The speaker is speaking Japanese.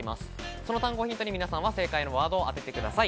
その単語をヒントに正解のワードを当ててください。